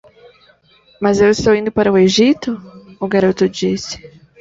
"Mas eu estou indo para o Egito?" o garoto disse.